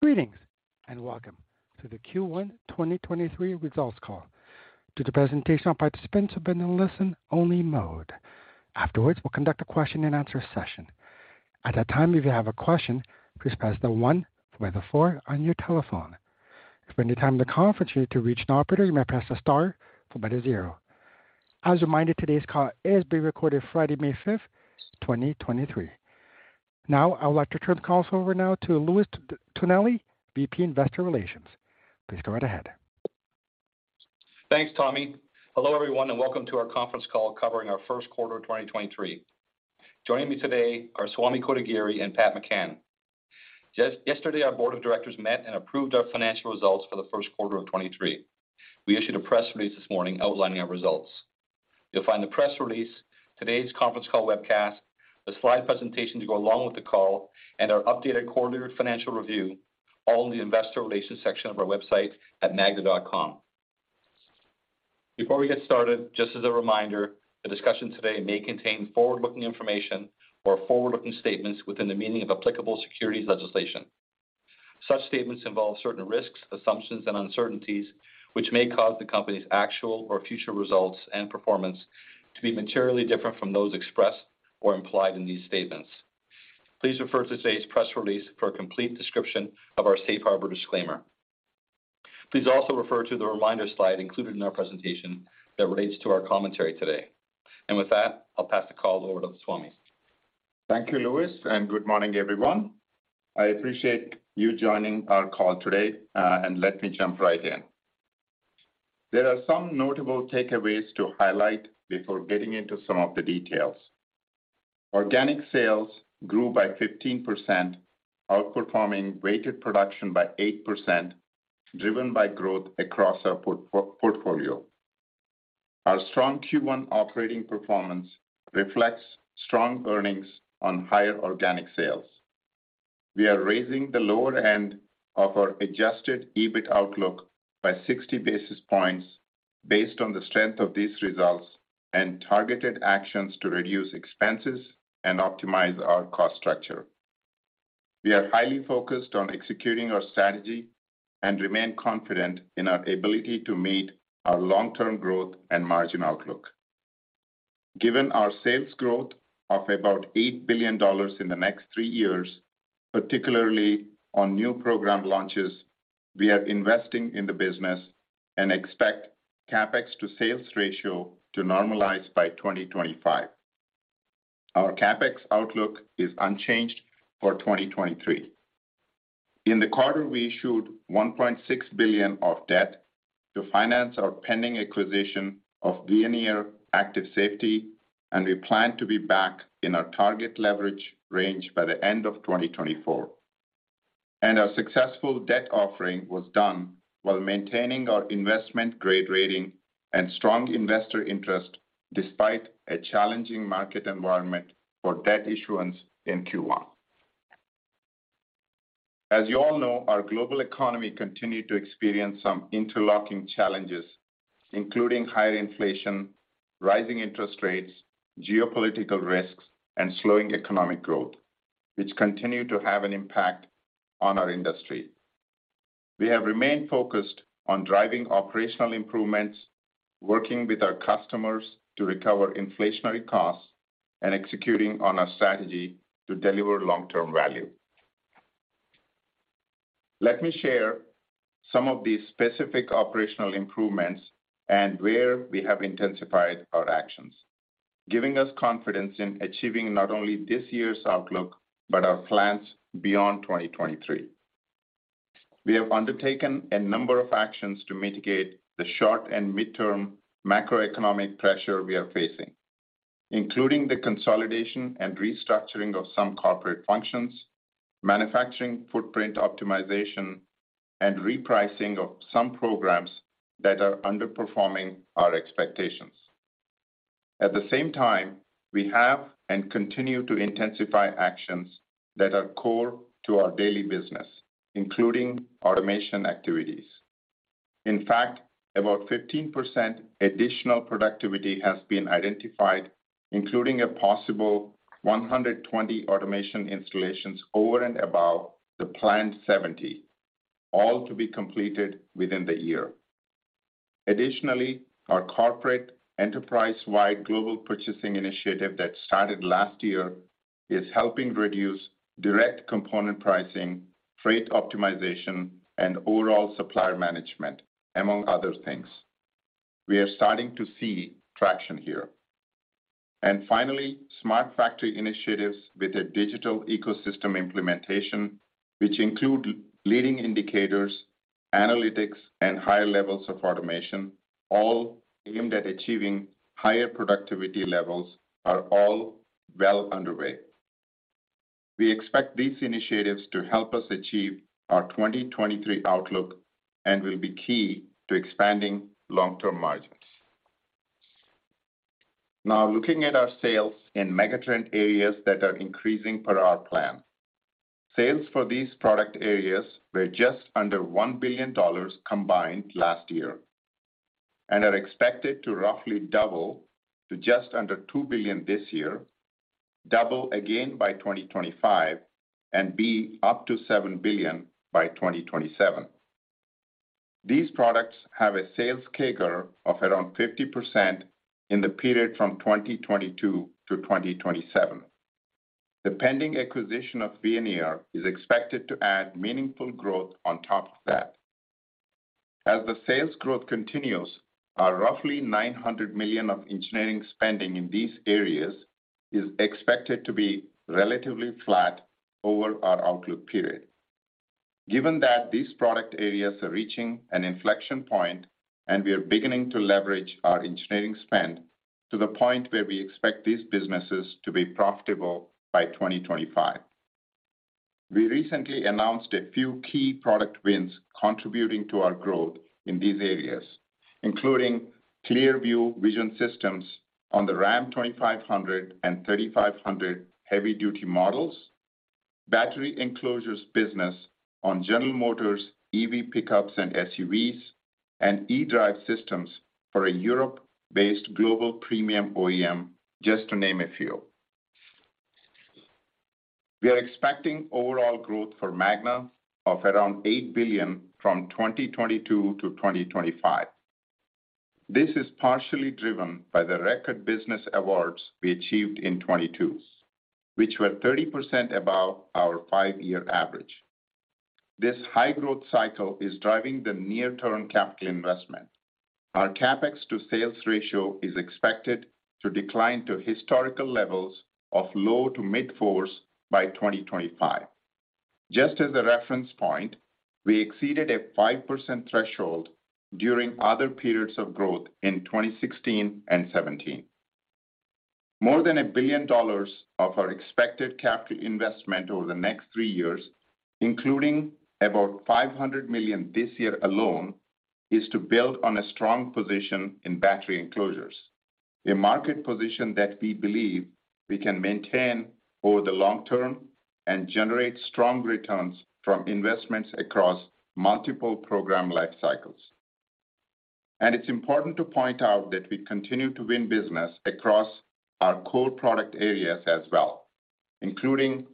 Greetings, welcome to the Q1 2023 Results Call. Due to presentation participants will be in listen-only mode. Afterwards, we'll conduct a question-and-answer session. At that time, if you have a question, please press one followed by four on your telephone. If at any time in the conference you need to reach an operator, you may press star followed by zero. As a reminder, today's call is being recorded Friday, May 5th, 2023. I would like to turn the call over now to Louis Tonelli, VP Investor Relations. Please go right ahead. Thanks, Tommy. Welcome to our conference call covering our first quarter of 2023. Joining me today are Swamy Kotagiri and Patrick McCann. Yesterday, our board of directors met and approved our financial results for the first quarter of 2023. We issued a press release this morning outlining our results. You'll find the press release, today's conference call webcast, the slide presentation to go along with the call, and our updated quarterly financial review all in the investor relations section of our website at magna.com. Before we get started, just as a reminder, the discussion today may contain forward-looking information or forward-looking statements within the meaning of applicable securities legislation. Such statements involve certain risks, assumptions, and uncertainties, which may cause the company's actual or future results and performance to be materially different from those expressed or implied in these statements. Please refer to today's press release for a complete description of our Safe Harbor disclaimer. Please also refer to the reminder slide included in our presentation that relates to our commentary today. With that, I'll pass the call over to Swamy. Thank you, Louis, good morning, everyone. I appreciate you joining our call today, let me jump right in. There are some notable takeaways to highlight before getting into some of the details. Organic sales grew by 15%, outperforming weighted production by 8%, driven by growth across our portfolio. Our strong Q1 operating performance reflects strong earnings on higher organic sales. We are raising the lower end of our adjusted EBIT outlook by 60 basis points based on the strength of these results and targeted actions to reduce expenses and optimize our cost structure. We are highly focused on executing our strategy and remain confident in our ability to meet our long-term growth and margin outlook. Given our sales growth of about $8 billion in the next three years, particularly on new program launches, we are investing in the business and expect CapEx to sales ratio to normalize by 2025. Our CapEx outlook is unchanged for 2023. In the quarter, we issued $1.6 billion of debt to finance our pending acquisition of Veoneer Active Safety, and we plan to be back in our target leverage range by the end of 2024. Our successful debt offering was done while maintaining our investment-grade rating and strong investor interest despite a challenging market environment for debt issuance in Q1. As you all know, our global economy continued to experience some interlocking challenges, including higher inflation, rising interest rates, geopolitical risks, and slowing economic growth, which continue to have an impact on our industry. We have remained focused on driving operational improvements, working with our customers to recover inflationary costs, and executing on our strategy to deliver long-term value. Let me share some of the specific operational improvements and where we have intensified our actions, giving us confidence in achieving not only this year's outlook but our plans beyond 2023. We have undertaken a number of actions to mitigate the short- and mid-term macroeconomic pressure we are facing, including the consolidation and restructuring of some corporate functions, manufacturing footprint optimization, and repricing of some programs that are underperforming our expectations. At the same time, we have and continue to intensify actions that are core to our daily business, including automation activities. In fact, about 15% additional productivity has been identified, including a possible 120 automation installations over and above the planned 70, all to be completed within the year. Additionally, our corporate enterprise-wide global purchasing initiative that started last year is helping reduce direct component pricing, freight optimization, and overall supplier management, among other things. We are starting to see traction here. Finally, smart factory initiatives with a digital ecosystem implementation, which include leading indicators, analytics, and higher levels of automation, all aimed at achieving higher productivity levels, are all well underway. We expect these initiatives to help us achieve our 2023 outlook and will be key to expanding long-term margins. Now, looking at our sales in megatrend areas that are increasing per our plan. Sales for these product areas were just under $1 billion combined last year. Are expected to roughly double to just under $2 billion this year, double again by 2025, and be up to $7 billion by 2027. These products have a sales CAGR of around 50% in the period from 2022 to 2027. The pending acquisition of B&R is expected to add meaningful growth on top of that. As the sales growth continues, our roughly $900 million of engineering spending in these areas is expected to be relatively flat over our outlook period. Given that these product areas are reaching an inflection point and we are beginning to leverage our engineering spend to the point where we expect these businesses to be profitable by 2025. We recently announced a few key product wins contributing to our growth in these areas, including ClearView Vision Systems on the Ram 2500 and 3500 Heavy Duty models, battery enclosures business on General Motors, EV pickups and SUVs, and eDrive systems for a Europe-based global premium OEM, just to name a few. We are expecting overall growth for Magna of around $8 billion from 2022 to 2025. This is partially driven by the record business awards we achieved in 2022, which were 30% above our five-year average. This high growth cycle is driving the near-term capital investment. Our CapEx to sales ratio is expected to decline to historical levels of low to mid 4% by 2025. Just as a reference point, we exceeded a 5% threshold during other periods of growth in 2016 and 2017. More than $1 billion of our expected capital investment over the next three years, including about $500 million this year alone, is to build on a strong position in battery enclosures, a market position that we believe we can maintain over the long term and generate strong returns from investments across multiple program life cycles. It's important to point out that we continue to win business across our core product areas as well, including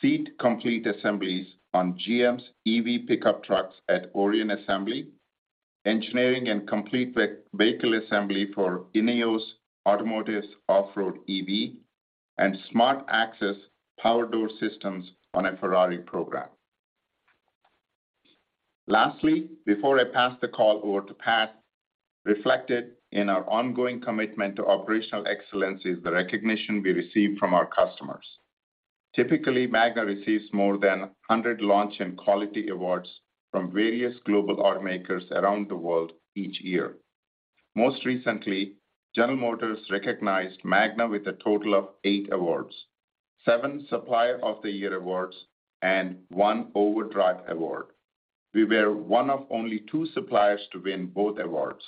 seat complete assemblies on GM's EV pickup trucks at Orion Assembly, engineering and complete vehicle assembly for INEOS Automotive's off-road EV, and SmartAccess power door systems on a Ferrari program. Lastly, before I pass the call over to Pat, reflected in our ongoing commitment to operational excellence is the recognition we receive from our customers. Typically, Magna receives more than 100 launch and quality awards from various global automakers around the world each year. Most recently, General Motors recognized Magna with a total of eight awards, seven Supplier of the Year awards and one Overdrive award. We were one of only two suppliers to win both awards,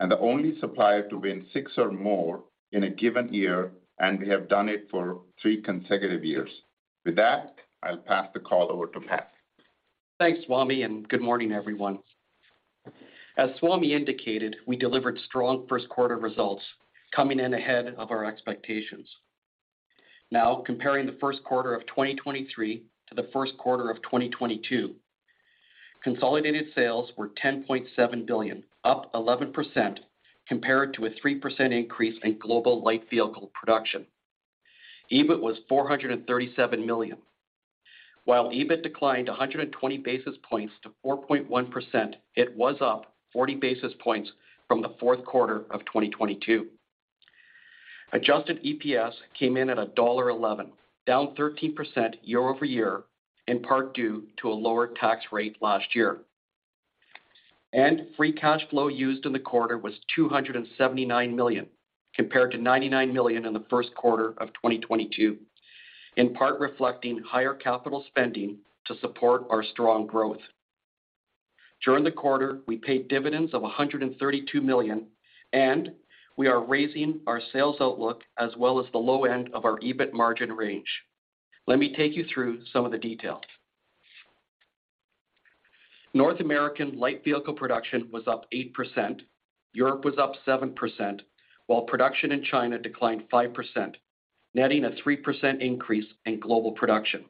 and the only supplier to win six or more in a given year, and we have done it for three consecutive years. With that, I'll pass the call over to Pat. Thanks, Swamy, and good morning, everyone. As Swamy indicated, we delivered strong first quarter results coming in ahead of our expectations. Comparing the first quarter of 2023 to the first quarter of 2022, consolidated sales were $10.7 billion, up 11% compared to a 3% increase in global light vehicle production. EBIT was $437 million, while EBIT declined 120 basis points to 4.1%, it was up 40 basis points from the fourth quarter of 2022. Adjusted EPS came in at $1.11, down 13% year-over-year, in part due to a lower tax rate last year. Free cash flow used in the quarter was $279 million, compared to $99 million in the first quarter of 2022, in part reflecting higher capital spending to support our strong growth. During the quarter, we paid dividends of $132 million. We are raising our sales outlook as well as the low end of our EBIT margin range. Let me take you through some of the details. North American light vehicle production was up 8%, Europe was up 7%, while production in China declined 5%, netting a 3% increase in global production.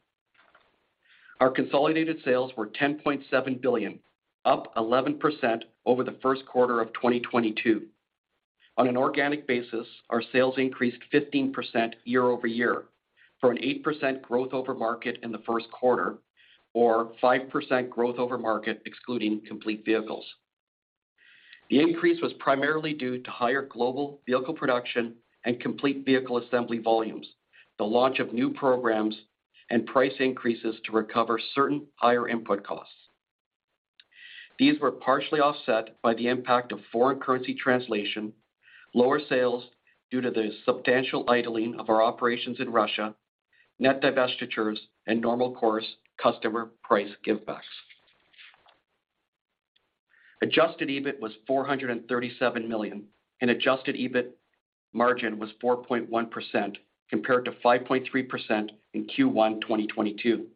Our consolidated sales were $10.7 billion, up 11% over the first quarter of 2022. On an organic basis, our sales increased 15% year-over-year from an 8% growth over market in the first quarter or 5% growth over market excluding complete vehicles. The increase was primarily due to higher global vehicle production and complete vehicle assembly volumes, the launch of new programs and price increases to recover certain higher input costs. These were partially offset by the impact of foreign currency translation, lower sales due to the substantial idling of our operations in Russia, net divestitures and normal course customer price givebacks. Adjusted EBIT was $437 million, and adjusted EBIT margin was 4.1% compared to 5.3% in Q1 2022.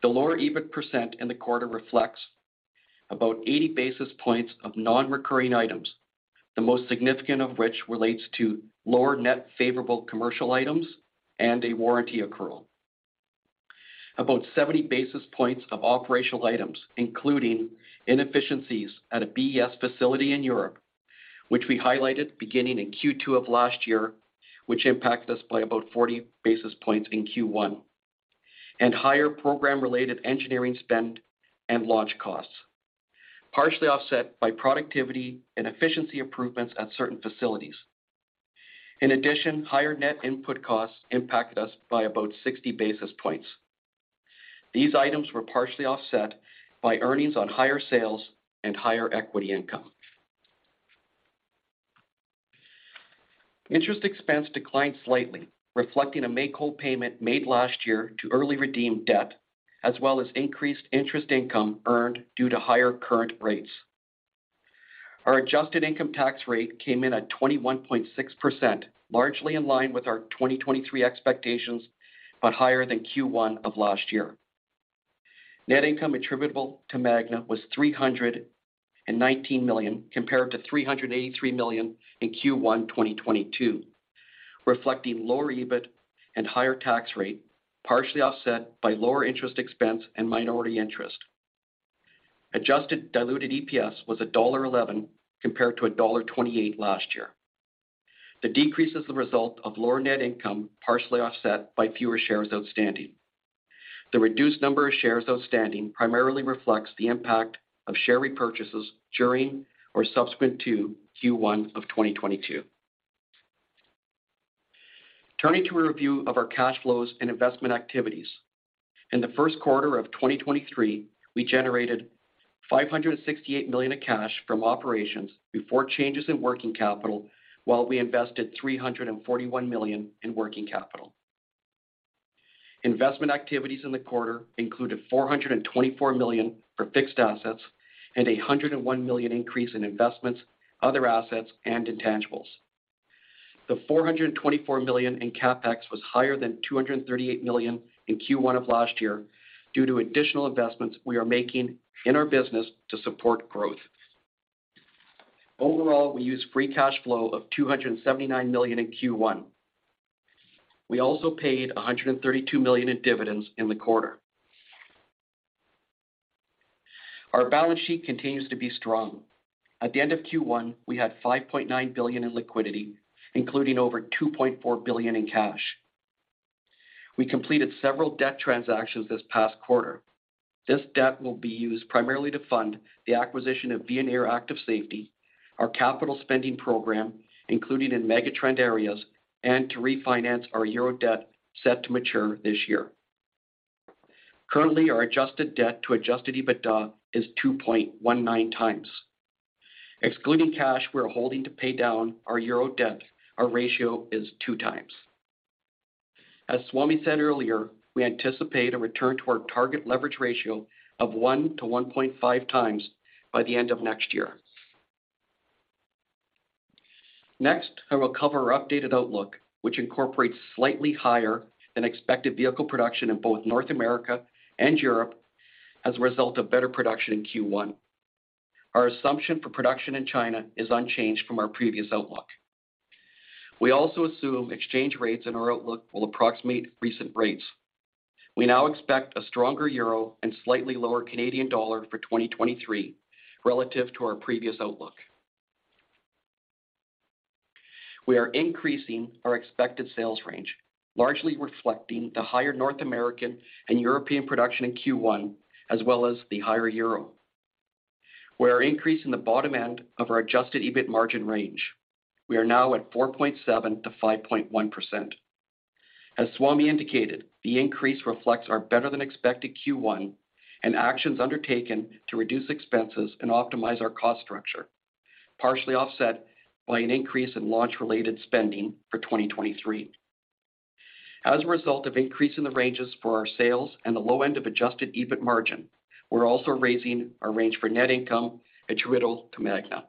The lower EBIT percent in the quarter reflects about 80 basis points of nonrecurring items, the most significant of which relates to lower net favorable commercial items and a warranty accrual. About 70 basis points of operational items, including inefficiencies at a BES facility in Europe, which we highlighted beginning in Q2 of last year, which impacted us by about 40 basis points in Q1, and higher program-related engineering spend and launch costs, partially offset by productivity and efficiency improvements at certain facilities. Higher net input costs impacted us by about 60 basis points. These items were partially offset by earnings on higher sales and higher equity income. Interest expense declined slightly, reflecting a make-whole payment made last year to early redeem debt, as well as increased interest income earned due to higher current rates. Our adjusted income tax rate came in at 21.6%, largely in line with our 2023 expectations, but higher than Q1 of last year. Net income attributable to Magna was $319 million, compared to $383 million in Q1 2022, reflecting lower EBIT and higher tax rate, partially offset by lower interest expense and minority interest. Adjusted diluted EPS was $1.11 compared to $1.28 last year. The decrease is the result of lower net income, partially offset by fewer shares outstanding. The reduced number of shares outstanding primarily reflects the impact of share repurchases during or subsequent to Q1 of 2022. Turning to a review of our cash flows and investment activities. In the first quarter of 2023, we generated $568 million of cash from operations before changes in working capital, while we invested $341 million in working capital. Investment activities in the quarter included $424 million for fixed assets and a $101 million increase in investments, other assets, and intangibles. The $424 million in CapEx was higher than $238 million in Q1 of last year due to additional investments we are making in our business to support growth. Overall, we used free cash flow of $279 million in Q1. We also paid $132 million in dividends in the quarter. Our balance sheet continues to be strong. At the end of Q1, we had $5.9 billion in liquidity, including over $2.4 billion in cash. We completed several debt transactions this past quarter. This debt will be used primarily to fund the acquisition of Veoneer Active Safety, our capital spending program, including in megatrend areas, and to refinance our euro debt set to mature this year. Currently, our adjusted debt to Adjusted EBITDA is 2.19x. Excluding cash we're holding to pay down our euro debt, our ratio is 2x. As Swamy said earlier, we anticipate a return to our target leverage ratio of 1x-1.5x by the end of next year. Next, I will cover our updated outlook, which incorporates slightly higher than expected vehicle production in both North America and Europe as a result of better production in Q1. Our assumption for production in China is unchanged from our previous outlook. We also assume exchange rates in our outlook will approximate recent rates. We now expect a stronger euro and slightly lower Canadian dollar for 2023 relative to our previous outlook. We are increasing our expected sales range, largely reflecting the higher North American and European production in Q1, as well as the higher euro. We're increasing the bottom end of our Adjusted EBIT margin range. We are now at 4.7%-5.1%. As Swamy indicated, the increase reflects our better than expected Q1 and actions undertaken to reduce expenses and optimize our cost structure, partially offset by an increase in launch-related spending for 2023. As a result of increasing the ranges for our sales and the low end of Adjusted EBIT margin, we're also raising our range for net income attributable to Magna.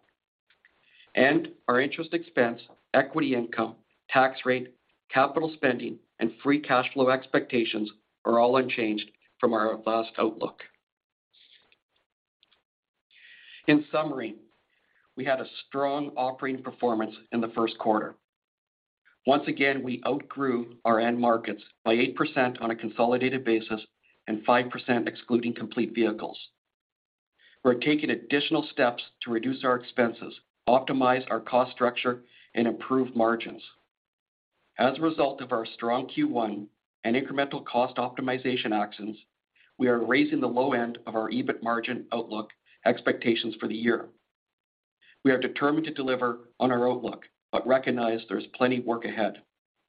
Our interest expense, equity income, tax rate, capital spending, and free cash flow expectations are all unchanged from our last outlook. In summary, we had a strong operating performance in the first quarter. Once again, we outgrew our end markets by 8% on a consolidated basis and 5% excluding complete vehicles. We're taking additional steps to reduce our expenses, optimize our cost structure, and improve margins. As a result of our strong Q1 and incremental cost optimization actions, we are raising the low end of our EBIT margin outlook expectations for the year. We are determined to deliver on our outlook, but recognize there's plenty of work ahead,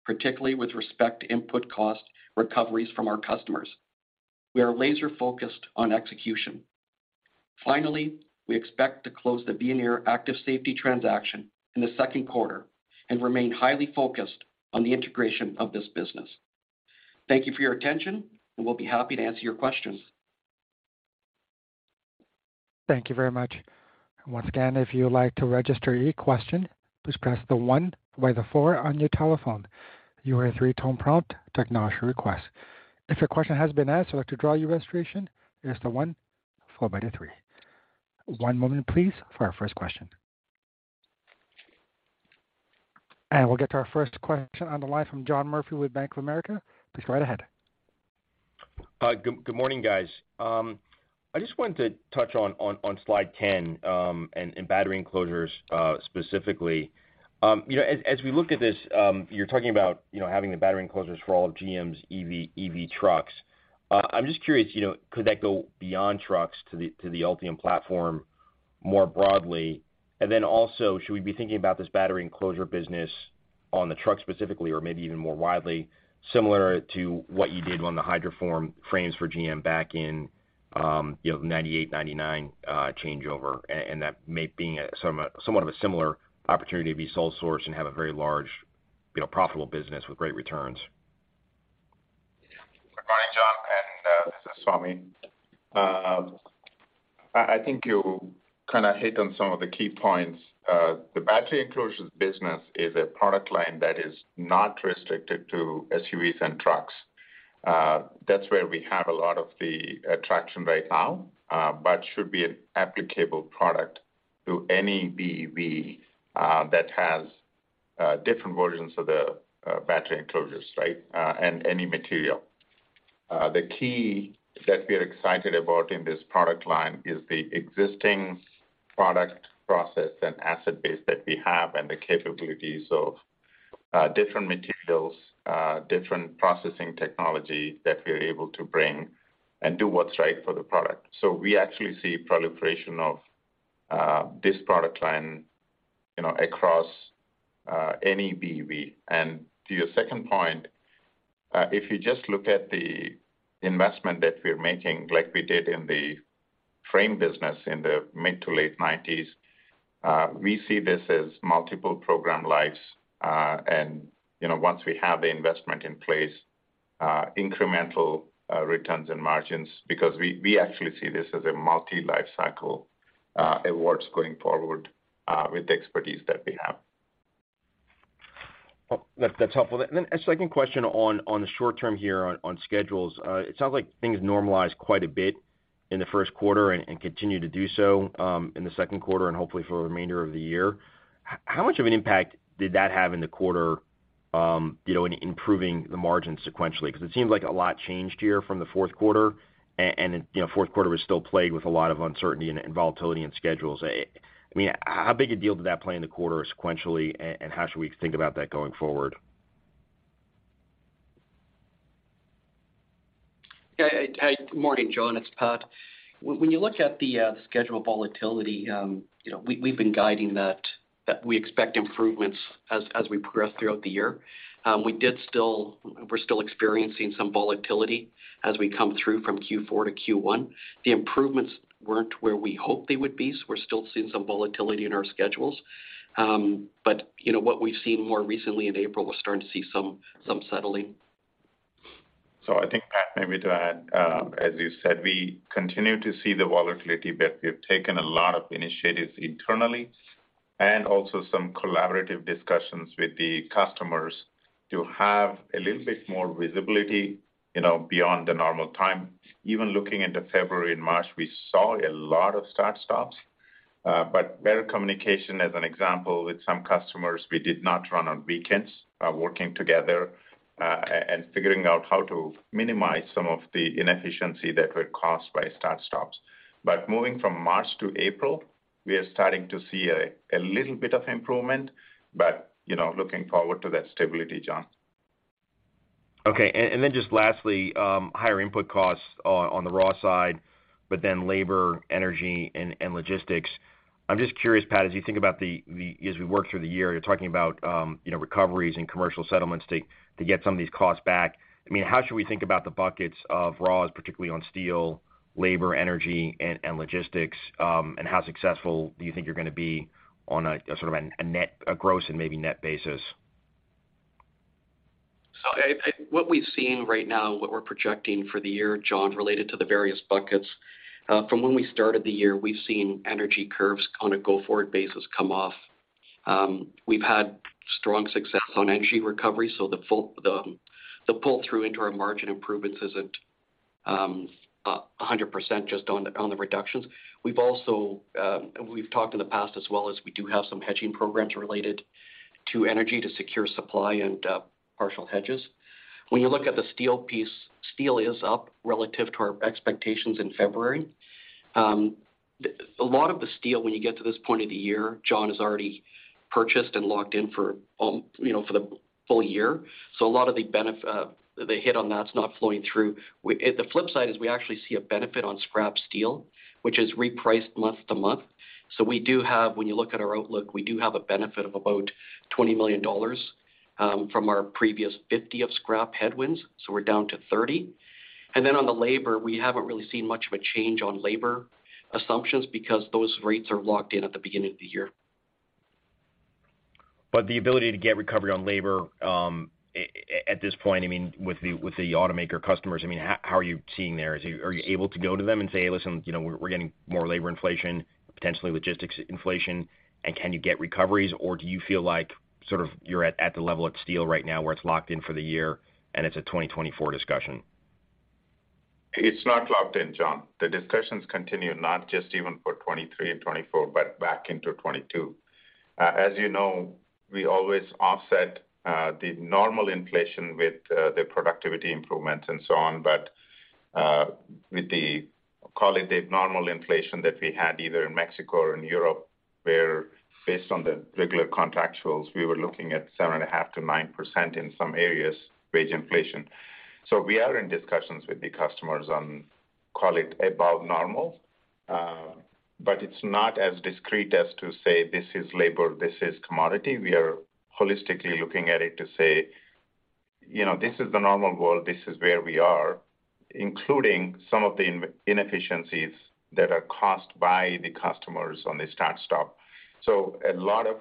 particularly with respect to input cost recoveries from our customers. We are laser-focused on execution. Finally, we expect to close the Veoneer Active Safety transaction in the second quarter and remain highly focused on the integration of this business. Thank you for your attention, and we'll be happy to answer your questions. Thank you very much. Once again, if you would like to register a question, please press the one by the four on your telephone. You will hear a three-tone prompt to acknowledge your request. If your question has been answered or to draw your registration, press the one followed by the three. One moment please for our first question. We'll get to our first question on the line from John Murphy with Bank of America. Please go right ahead. Good, good morning, guys. I just wanted to touch on slide 10, and battery enclosures, specifically. You know, as we look at this, you're talking about, you know, having the battery enclosures for all of GM's EV trucks. I'm just curious, you know, could that go beyond trucks to the Ultium platform more broadly? Also, should we be thinking about this battery enclosure business on the truck specifically or maybe even more widely similar to what you did on the hydroformed frames for GM back in, you know, 98, 99 changeover, and that may being a somewhat of a similar opportunity to be sole source and have a very large, you know, profitable business with great returns. Good morning, John, this is Swamy. I think you kinda hit on some of the key points. The battery enclosures business is a product line that is not restricted to SUVs and trucks. That's where we have a lot of the attraction right now, but should be an applicable product to any BEV that has different versions of the battery enclosures, right, and any material. The key that we're excited about in this product line is the existing product process and asset base that we have and the capabilities of different materials, different processing technology that we're able to bring and do what's right for the product. We actually see proliferation of this product line, you know, across any BEV. To your second point, if you just look at the investment that we're making like we did in the frame business in the mid to late 1990s, we see this as multiple program lives. You know, once we have the investment in place, incremental returns and margins, because we actually see this as a multi-life cycle awards going forward, with the expertise that we have. Well, that's helpful. A second question on the short term here on schedules. It sounds like things normalized quite a bit in the first quarter and continue to do so in the second quarter and hopefully for the remainder of the year. How much of an impact did that have in the quarter, you know, in improving the margin sequentially? It seems like a lot changed here from the fourth quarter and, you know, fourth quarter was still plagued with a lot of uncertainty and volatility in schedules. I mean, how big a deal did that play in the quarter sequentially, and how should we think about that going forward? Yeah. Hey, good morning, John. It's Pat. When you look at the schedule volatility, you know, we've been guiding that we expect improvements as we progress throughout the year. We're still experiencing some volatility as we come through from Q4 to Q1. The improvements weren't where we hoped they would be, so we're still seeing some volatility in our schedules. You know, what we've seen more recently in April, we're starting to see some settling. I think, Pat, maybe to add, as you said, we continue to see the volatility, we've taken a lot of initiatives internally and also some collaborative discussions with the customers to have a little bit more visibility, you know, beyond the normal time. Even looking into February and March, we saw a lot of start stops. Better communication, as an example, with some customers, we did not run on weekends, working together, and figuring out how to minimize some of the inefficiency that were caused by start stops. Moving from March to April, we are starting to see a little bit of improvement, but, you know, looking forward to that stability, John. Okay. Just lastly, higher input costs on the raw side, labor, energy and logistics. I'm just curious, Pat, as you think about as we work through the year, you're talking about, you know, recoveries and commercial settlements to get some of these costs back. I mean, how should we think about the buckets of raws, particularly on steel, labor, energy, and logistics, and how successful do you think you're gonna be on a sort of a gross and maybe net basis? What we've seen right now, what we're projecting for the year, John, related to the various buckets, from when we started the year, we've seen energy curves on a go forward basis come off. We've had strong success on energy recovery, so the pull-through into our margin improvements isn't 100% just on the reductions. We've also, we've talked in the past as well as we do have some hedging programs related to energy to secure supply and partial hedges. When you look at the steel piece, steel is up relative to our expectations in February. A lot of the steel when you get to this point of the year, John, is already purchased and locked in for, you know, for the full year. A lot of the hit on that's not flowing through. The flip side is we actually see a benefit on scrap steel, which is repriced month to month. We do have, when you look at our outlook, we do have a benefit of about $20 million from our previous 50 of scrap headwinds, we're down to 30. On the labor, we haven't really seen much of a change on labor assumptions because those rates are locked in at the beginning of the year. The ability to get recovery on labor, at this point, I mean, with the automaker customers, I mean, how are you seeing there? Are you able to go to them and say, "Listen, you know, we're getting more labor inflation, potentially logistics inflation, and can you get recoveries?" Or do you feel like sort of you're at the level of steel right now where it's locked in for the year and it's a 2024 discussion? It's not locked in, John. The discussions continue not just even for 2023 and 2024, but back into 2022. As you know, we always offset the normal inflation with the productivity improvement and so on. With the, call it the abnormal inflation that we had either in Mexico or in Europe, where based on the regular contractuals, we were looking at 7.5%-9% in some areas, wage inflation. We are in discussions with the customers on, call it, above normal. It's not as discrete as to say, this is labor, this is commodity. We are holistically looking at it to say, you know, this is the normal world, this is where we are, including some of the inefficiencies that are caused by the customers on this start-stop. A lot of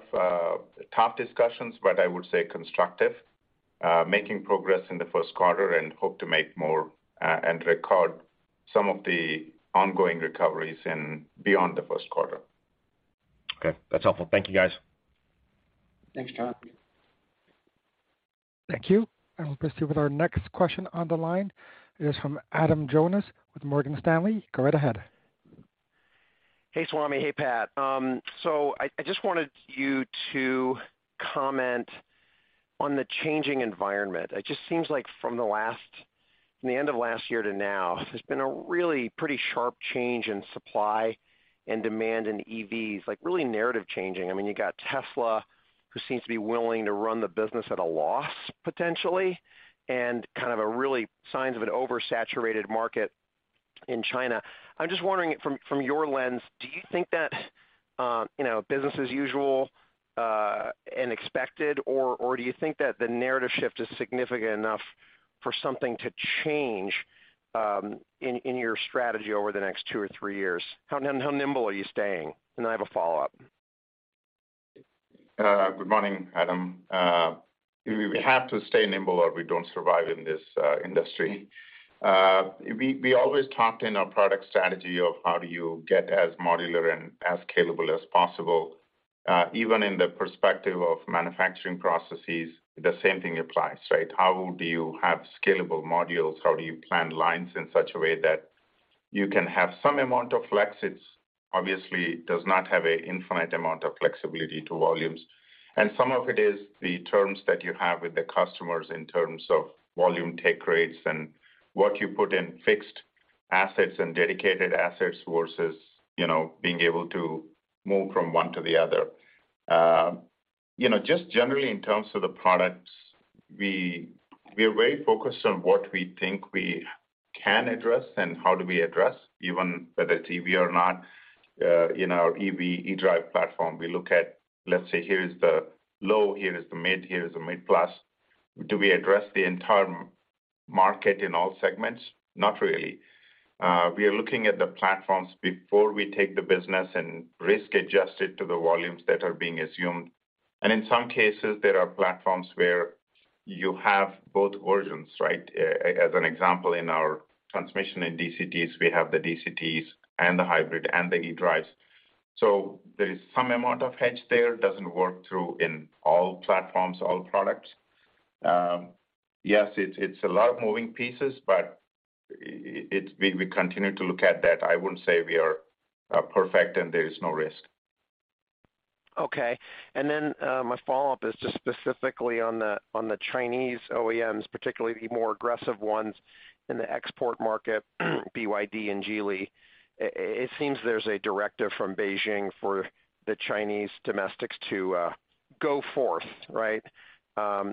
tough discussions, but I would say constructive. Making progress in the first quarter and hope to make more and record some of the ongoing recoveries in beyond the first quarter. Okay. That's helpful. Thank you, guys. Thanks, John. Thank you. I'll proceed with our next question on the line. It is from Adam Jonas with Morgan Stanley. Go right ahead. Hey, Swamy. Hey, Pat. I just wanted you to comment on the changing environment. It just seems like from the end of last year to now, there's been a really pretty sharp change in supply and demand in EVs, like really narrative changing. I mean, you've got Tesla who seems to be willing to run the business at a loss, potentially, and kind of a really signs of an oversaturated market in China. I just wondering from your lens, do you think that, you know, business as usual, and expected, or do you think that the narrative shift is significant enough for something to change in your strategy over the next two or three years? How nimble are you staying? I have a follow-up. Good morning, Adam. We have to stay nimble or we don't survive in this industry. We always talked in our product strategy of how do you get as modular and as scalable as possible, even in the perspective of manufacturing processes, the same thing applies, right? How do you have scalable modules? How do you plan lines in such a way that you can have some amount of flexes? Obviously, it does not have a infinite amount of flexibility to volumes. Some of it is the terms that you have with the customers in terms of volume take rates and what you put in fixed assets and dedicated assets versus, you know, being able to move from one to the other. You know, just generally in terms of the products, we are very focused on what we think we can address and how do we address even whether it's EV or not, in our EV eDrive platform. We look at, let's say, here is the low, here is the mid, here is the mid plus. Do we address the entire market in all segments? Not really. We are looking at the platforms before we take the business and risk adjust it to the volumes that are being assumed. In some cases, there are platforms where you have both versions, right? As an example, in our transmission in DCTs, we have the DCTs and the hybrid and the eDrive. There is some amount of hedge there. Doesn't work through in all platforms, all products. Yes, it's a lot of moving pieces, but we continue to look at that. I wouldn't say we are perfect and there is no risk. Okay. My follow-up is just specifically on the Chinese OEMs, particularly the more aggressive ones in the export market, BYD and Geely. It seems there's a directive from Beijing for the Chinese domestics to go forth, right? I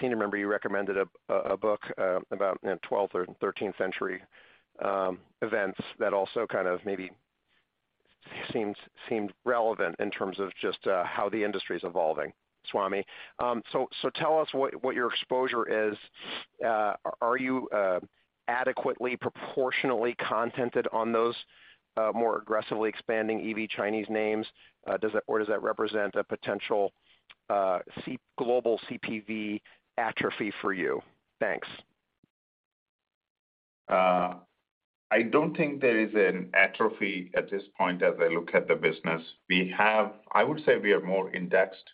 seem to remember you recommended a book about, you know, 12th or t13th century events that also kind of maybe seemed relevant in terms of just how the industry is evolving, Swamy. So tell us what your exposure is. Are you adequately, proportionally contented on those more aggressively expanding EV Chinese names? Or does that represent a potential global CPV atrophy for you? Thanks. I don't think there is an atrophy at this point as I look at the business. I would say we are more indexed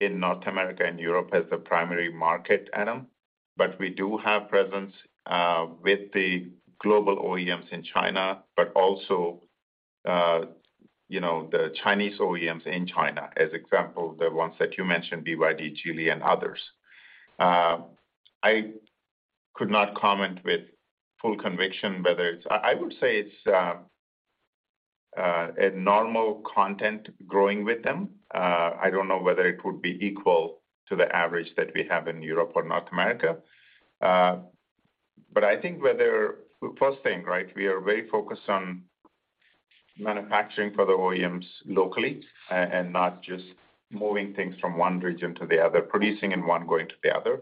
in North America and Europe as the primary market, Adam. We do have presence with the global OEMs in China, but also, you know, the Chinese OEMs in China, as example, the ones that you mentioned, BYD, Geely, and others. I could not comment with full conviction whether I would say it's a normal content growing with them. I don't know whether it would be equal to the average that we have in Europe or North America. I think First thing, right? We are very focused on manufacturing for the OEMs locally and not just moving things from one region to the other, producing in one, going to the other.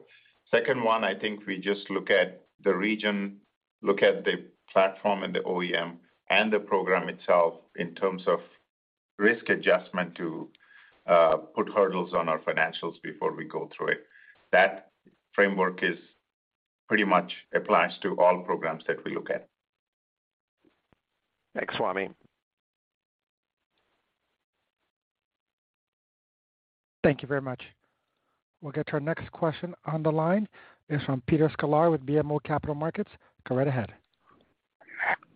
Second one, I think we just look at the region. Look at the platform and the OEM and the program itself in terms of risk adjustment to put hurdles on our financials before we go through it. That framework is pretty much applies to all programs that we look at. Thanks, Swamy. Thank you very much. We'll get to our next question on the line. It's from Peter Sklar with BMO Capital Markets. Go right ahead.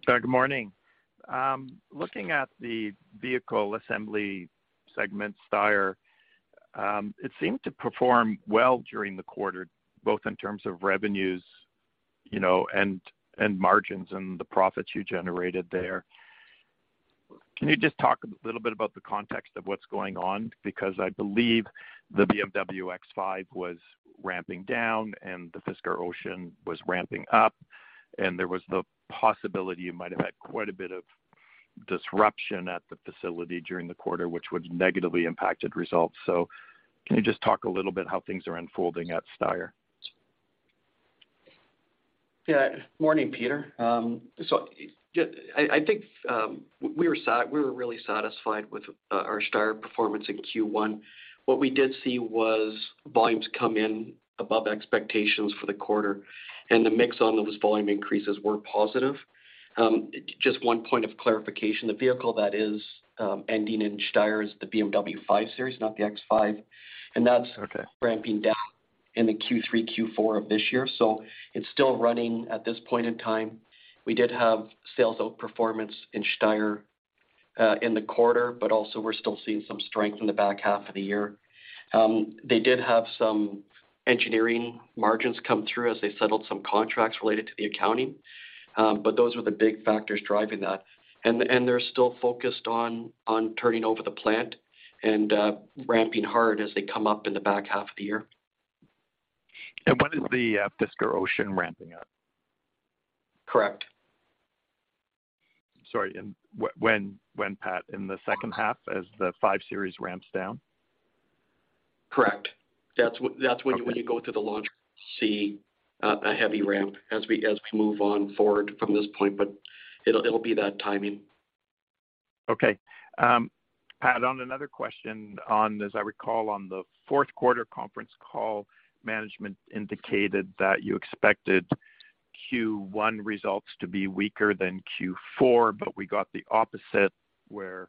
Good morning. Looking at the vehicle assembly segment, Steyr, it seemed to perform well during the quarter, both in terms of revenues, you know, and margins and the profits you generated there. Can you just talk a little bit about the context of what's going on? I believe the BMW X5 was ramping down, and the Fisker Ocean was ramping up, and there was the possibility you might have had quite a bit of disruption at the facility during the quarter, which would negatively impacted results. Can you just talk a little bit how things are unfolding at Steyr? Yeah. Morning, Peter. I think we were really satisfied with our Steyr performance in Q1. What we did see was volumes come in above expectations for the quarter, the mix on those volume increases were positive. Just one point of clarification. The vehicle that is ending in Steyr is the BMW 5 Series, not the X5. Okay. That's ramping down in the Q3, Q4 of this year, so it's still running at this point in time. We did have sales outperformance in Steyr in the quarter, but also we're still seeing some strength in the back half of the year. They did have some engineering margins come through as they settled some contracts related to the accounting. Those were the big factors driving that. They're still focused on turning over the plant and ramping hard as they come up in the back half of the year. When is the Fisker Ocean ramping up? Correct. Sorry. when, Pat, in the second half as the 5 Series ramps down? Correct. That's when you- Okay. When you go through the launch, see a heavy ramp as we move on forward from this point, but it'll be that timing. Pat, on another question on, as I recall, on the fourth quarter conference call, management indicated that you expected Q1 results to be weaker than Q4, but we got the opposite, where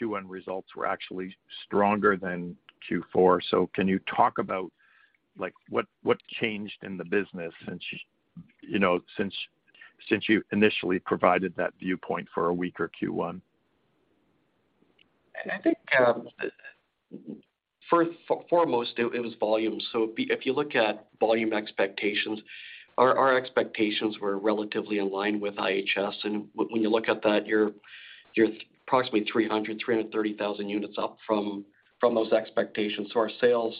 Q1 results were actually stronger than Q4. Can you talk about, like, what changed in the business since you initially provided that viewpoint for a weaker Q1? I think foremost, it was volume. If you look at volume expectations, our expectations were relatively in line with IHS. When you look at that, you're approximately 330,000 units up from those expectations. Our sales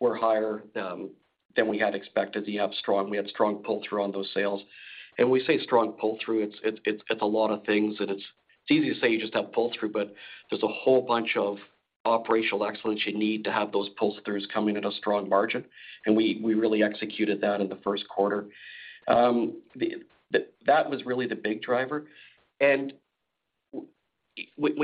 were higher than we had expected. We had strong pull-through on those sales. We say strong pull-through, it's a lot of things, and it's easy to say you just have pull-through, but there's a whole bunch of operational excellence you need to have those pull-throughs coming at a strong margin. We really executed that in the first quarter. That was really the big driver. When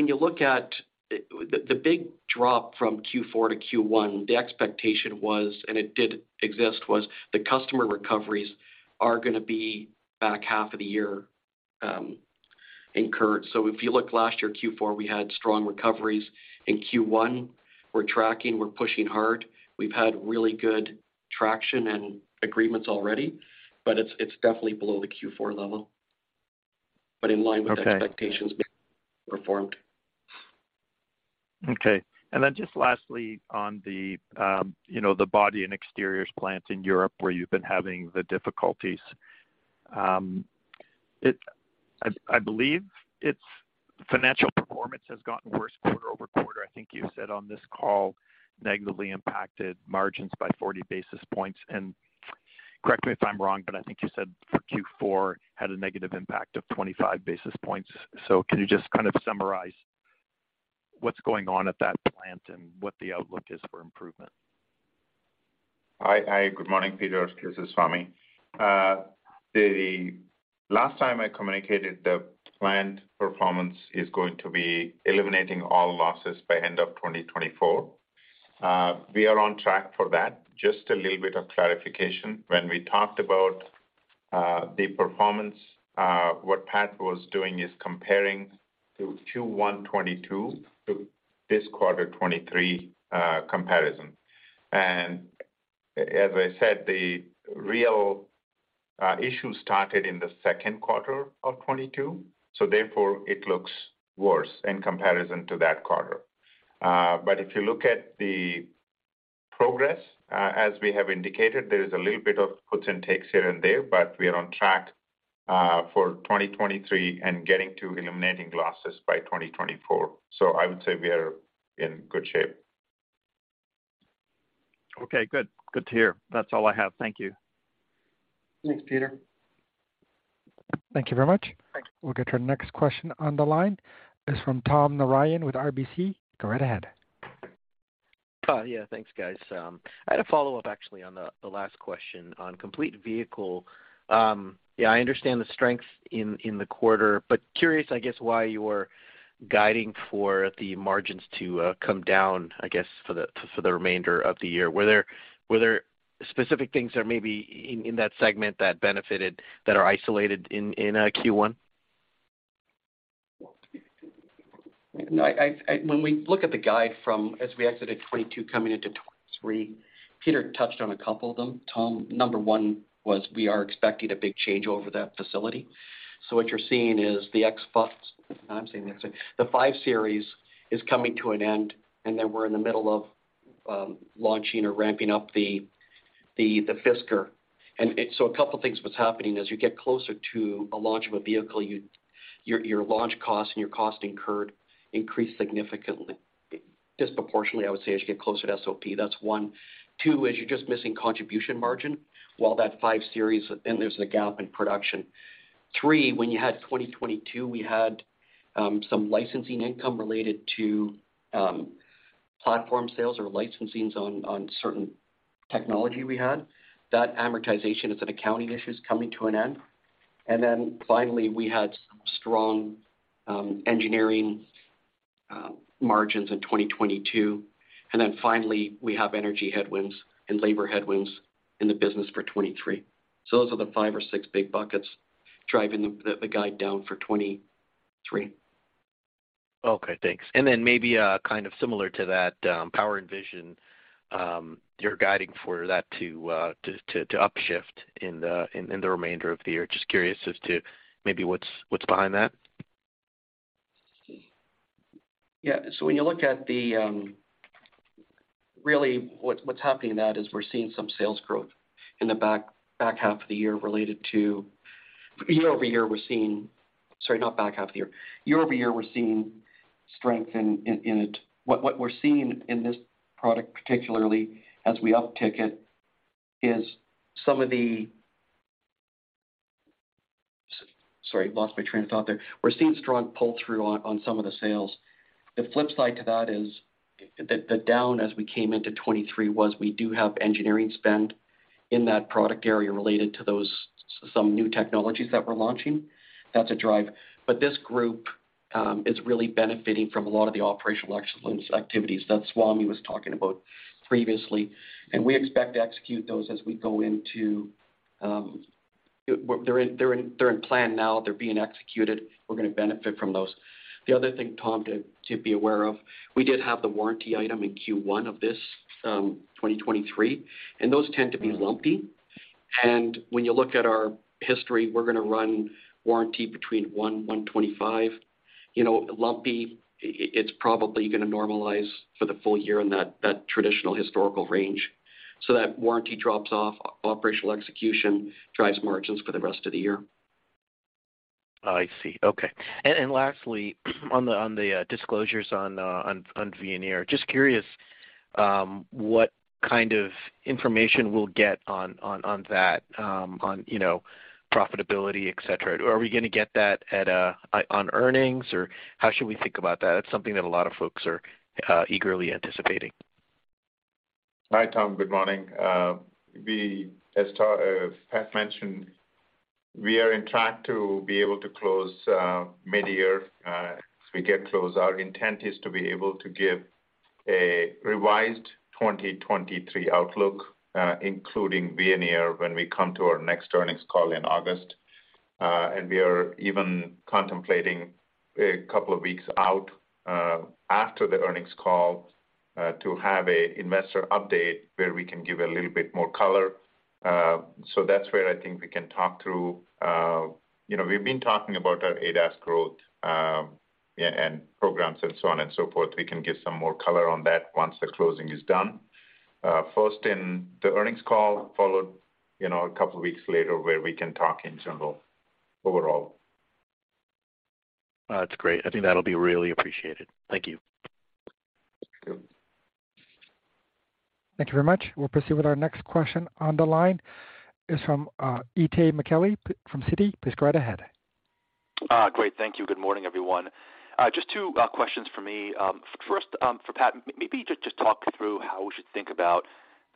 you look at the big drop from Q4 to Q1, the expectation was, and it did exist, was the customer recoveries are gonna be back half of the year incurred. If you look last year, Q4, we had strong recoveries. In Q1, we're tracking, we're pushing hard. We've had really good traction and agreements already, but it's definitely below the Q4 level, but in line... Okay. with the expectations performed. Okay. Then just lastly, on the, you know, the body and exteriors plant in Europe where you've been having the difficulties. I believe its financial performance has gotten worse quarter-over-quarter. I think you said on this call, negatively impacted margins by 40 basis points. Correct me if I'm wrong, but I think you said for Q4, had a negative impact of 25 basis points. Can you just kind of summarize what's going on at that plant and what the outlook is for improvement? Hi. Hi. Good morning, Peter. This is Swamy. The last time I communicated, the plant performance is going to be eliminating all losses by end of 2024. We are on track for that. Just a little bit of clarification. When we talked about the performance, what Pat was doing is comparing to Q1 2022 to this quarter 2023 comparison. As I said, the real issue started in the second quarter of 2022, so therefore it looks worse in comparison to that quarter. If you look at the progress, as we have indicated, there is a little bit of puts and takes here and there, but we are on track for 2023 and getting to eliminating losses by 2024. I would say we are in good shape. Okay, good. Good to hear. That's all I have. Thank you. Thanks, Peter. Thank you very much. Thank you. We'll get to our next question on the line. It's from Tom Narayan with RBC. Go right ahead. Yeah, thanks, guys. I had a follow-up actually on the last question on complete vehicle. Yeah, I understand the strength in the quarter, but curious, I guess, why you were guiding for the margins to come down, I guess, for the remainder of the year. Were there specific things or maybe in that segment that benefited that are isolated in Q1? No, when we look at the guide from as we exited 2022 coming into 2023, Peter touched on a couple of them, Tom. Number one was we are expecting a big change over that facility. What you're seeing is the X, I'm saying the X. The BMW 5 Series is coming to an end, then we're in the middle of launching or ramping up the Fisker. A couple things what's happening as you get closer to a launch of a vehicle, your launch cost and your cost incurred increase significantly. Disproportionately, I would say, as you get closer to SOP, that's 1. 2 is you're just missing contribution margin while that BMW 5 Series... and there's a gap in production. Three, when you had 2022, we had some licensing income related to platform sales or licensings on certain technology we had. That amortization is an accounting issue is coming to an end. Finally, we had some strong engineering margins in 2022. Finally, we have energy headwinds and labor headwinds in the business for 2023. Those are the five or six big buckets driving the, the guide down for 2023. Okay, thanks. Maybe, kind of similar to that, Power & Vision, you're guiding for that to upshift in the remainder of the year. Just curious as to maybe what's behind that? Yeah. When you look at the. Really what's happening in that is we're seeing some sales growth in the back half of the year related to. Year-over-year. Sorry, not back half of the year. Year-over-year, we're seeing strength in it. What we're seeing in this product, particularly as we uptick it, is some of the. Sorry, lost my train of thought there. We're seeing strong pull-through on some of the sales. The flip side to that is the down as we came into 2023 was we do have engineering spend in that product area related to those, some new technologies that we're launching. That's a drive. This group is really benefiting from a lot of the operational excellence activities that Swamy was talking about previously. We expect to execute those as we go into, they're in plan now. They're being executed. We're gonna benefit from those. The other thing, Tom, to be aware of, we did have the warranty item in Q1 of this 2023, and those tend to be lumpy. When you look at our history, we're gonna run warranty between 1%-1.25%. You know, lumpy, it's probably gonna normalize for the full year in that traditional historical range. That warranty drops off. Operational execution drives margins for the rest of the year. I see. Okay. Lastly, on the disclosures on Veoneer. Just curious, what kind of information we'll get on that, on, you know, profitability, et cetera. Are we gonna get that at on earnings, or how should we think about that? It's something that a lot of folks are eagerly anticipating. Hi, Tom. Good morning. As Pat mentioned, we are in track to be able to close mid-year as we get close. Our intent is to be able to give a revised 2023 outlook, including Veoneer when we come to our next earnings call in August. We are even contemplating a couple of weeks out after the earnings call to have a investor update where we can give a little bit more color. That's where I think we can talk through... You know, we've been talking about our ADAS growth, and programs and so on and so forth. We can give some more color on that once the closing is done. First in the earnings call, followed, you know, a couple of weeks later where we can talk in general overall. That's great. I think that'll be really appreciated. Thank you. Thank you. Thank you very much. We'll proceed with our next question on the line is from, Itay Michaeli from Citi. Please go right ahead. Great. Thank you. Good morning, everyone. Just two questions for me. First, for Pat, maybe just talk through how we should think about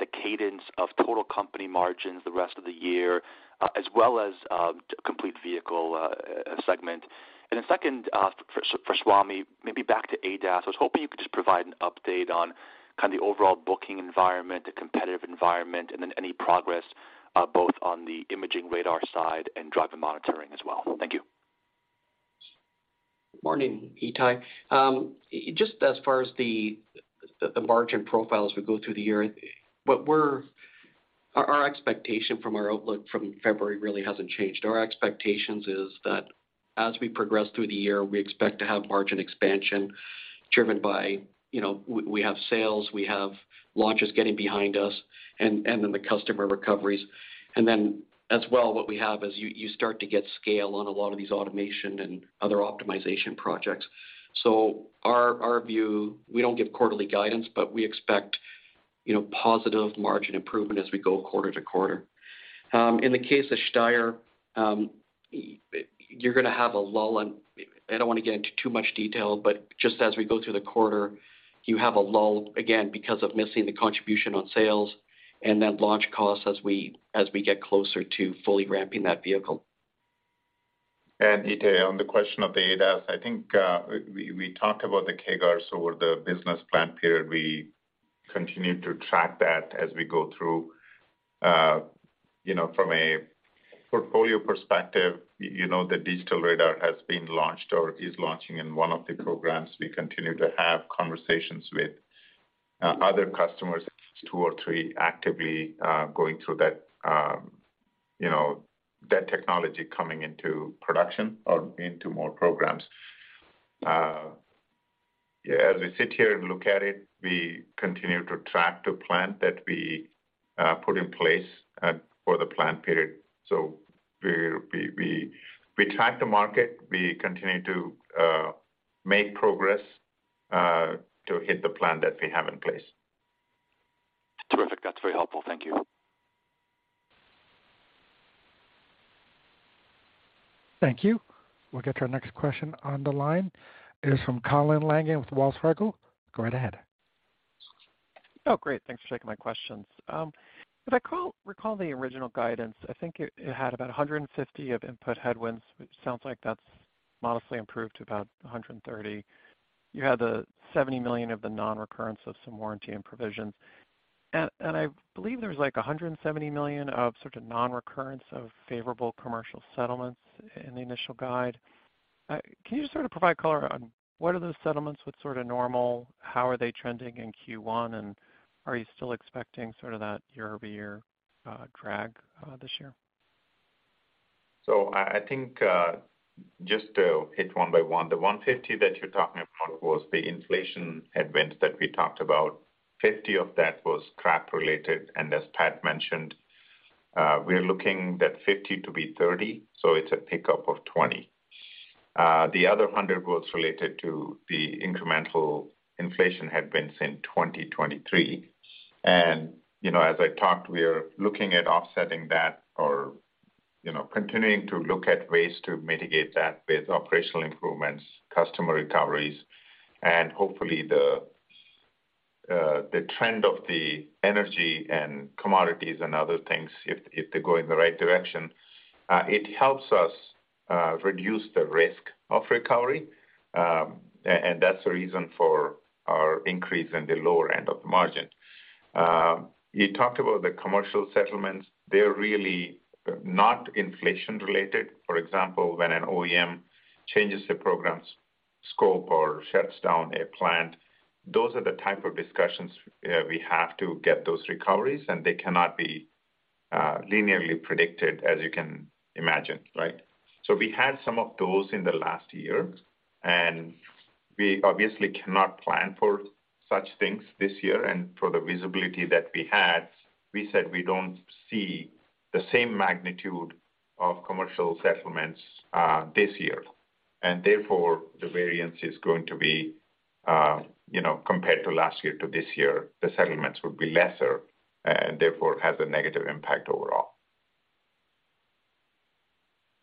the cadence of total company margins the rest of the year, as well as complete vehicle segment. Second, for Swamy, maybe back to ADAS. I was hoping you could just provide an update on kind of the overall booking environment, the competitive environment, and then any progress both on the Imaging Radar side and Driver Monitoring as well. Thank you. Morning, Itay. Just as far as the margin profile as we go through the year, our expectation from our outlook from February really hasn't changed. Our expectations is that as we progress through the year, we expect to have margin expansion driven by, you know, we have sales, we have launches getting behind us and then the customer recoveries. As well, what we have is you start to get scale on a lot of these automation and other optimization projects. Our view, we don't give quarterly guidance, but we expect, you know, positive margin improvement as we go quarter to quarter. In the case of Steyr, you're gonna have a lull, and I don't wanna get into too much detail, but just as we go through the quarter, you have a lull again because of missing the contribution on sales and then launch costs as we get closer to fully ramping that vehicle. Itay, on the question of the ADAS, I think, we talked about the CAGRs over the business plan period. We continue to track that as we go through. You know, from a portfolio perspective, you know, the digital radar has been launched or is launching in one of the programs. We continue to have conversations with other customers, two or three actively going through that, you know, that technology coming into production or into more programs. As we sit here and look at it, we continue to track the plan that we put in place for the plan period. We, we, we track the market. We continue to make progress to hit the plan that we have in place. Terrific. That's very helpful. Thank you. Thank you. We'll get to our next question on the line. It is from Colin Langan with Wells Fargo. Go right ahead. Great. Thanks for taking my questions. If I recall the original guidance, I think it had about $150 of input headwinds, which sounds like that's modestly improved to about $130. You had the $70 million of the non-recurrence of some warranty and provisions. I believe there's, like, $170 million of sort of non-recurrence of favorable commercial settlements in the initial guide. Can you just sort of provide color on what are those settlements? What's sort of normal? How are they trending in Q1? Are you still expecting sort of that year-over-year drag this year? I think, just to hit one by one, the $150 that you're talking about was the inflation headwinds that we talked about. $50 of that was scrap related, and as Pat mentioned, we're looking that $50 to be $30, so it's a pickup of $20. The other $100 was related to the incremental inflation headwinds in 2023. You know, as I talked, we are looking at offsetting that or, you know, continuing to look at ways to mitigate that with operational improvements, customer recoveries, and hopefully the trend of the energy and commodities and other things if they go in the right direction, it helps us reduce the risk of recovery, and that's the reason for our increase in the lower end of margin. You talked about the commercial settlements. They're really not inflation related. For example, when an OEM changes the program's scope or shuts down a plant, those are the type of discussions we have to get those recoveries, and they cannot be linearly predicted as you can imagine, right? We had some of those in the last year, and we obviously cannot plan for such things this year. For the visibility that we had, we said we don't see the same magnitude of commercial settlements this year. Therefore, the variance is going to be, you know, compared to last year to this year, the settlements will be lesser and therefore has a negative impact overall.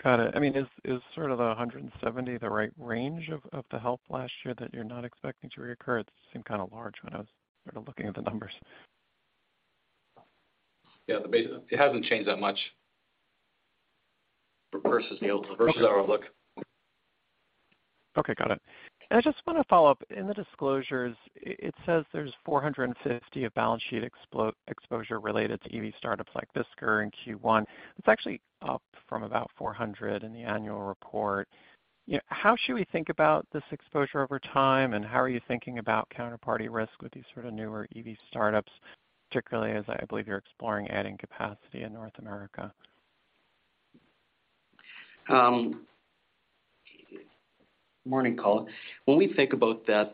Got it. I mean, is sort of the 170 the right range of the help last year that you're not expecting to reoccur? It seemed kind of large when I was sort of looking at the numbers. Yeah. It hasn't changed that much versus our outlook. Okay. Got it. I just wanna follow up. In the disclosures, it says there's $450 of balance sheet exposure related to EV startups like Fisker in Q1. It's actually up from about $400 in the annual report. You know, how should we think about this exposure over time, and how are you thinking about counterparty risk with these sort of newer EV startups, particularly as I believe you're exploring adding capacity in North America? Morning, Colin. When we think about that,